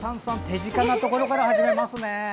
手近なところから始めますね。